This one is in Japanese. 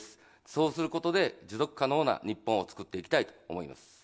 そうすることで、持続可能な日本をつくっていきたいと思います。